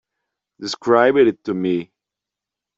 Describe it to me.